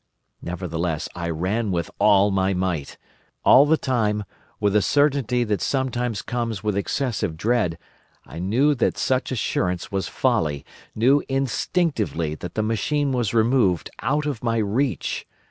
Nevertheless, I ran with all my might. All the time, with the certainty that sometimes comes with excessive dread, I knew that such assurance was folly, knew instinctively that the machine was removed out of my reach.